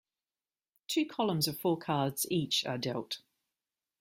Two columns of four cards each are dealt.